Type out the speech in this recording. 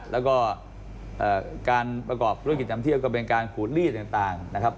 แล้วก็การประกอบธุรกิจนำเที่ยวก็เป็นการขูดลีดต่างนะครับ